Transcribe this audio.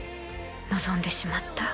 望んでしまった。